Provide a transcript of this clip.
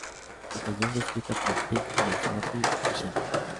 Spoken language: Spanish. La canción fue escrita por Pink, Max Martin y Shellback.